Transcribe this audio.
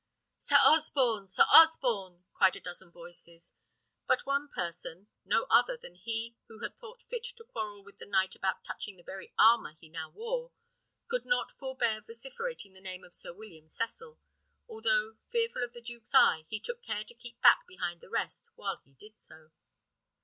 "Sir Osborne! Sir Osborne!" cried a dozen voices; but one person, no other than he who had thought fit to quarrel with the knight about touching the very armour he now wore, could not forbear vociferating the name of Sir William Cecil, although, fearful of the duke's eye, he took care to keep back behind the rest while he did so.